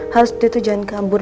hal seperti itu jangan kabur